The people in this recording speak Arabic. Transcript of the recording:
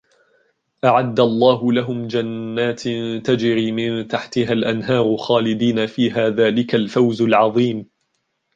أَعَدَّ اللَّهُ لَهُمْ جَنَّاتٍ تَجْرِي مِنْ تَحْتِهَا الْأَنْهَارُ خَالِدِينَ فِيهَا ذَلِكَ الْفَوْزُ الْعَظِيمُ